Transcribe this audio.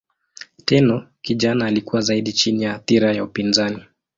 Tenno kijana alikuwa zaidi chini ya athira ya upinzani.